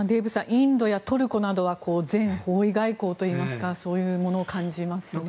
インドやトルコなどは全方位外交といいますかそういうものを感じますよね。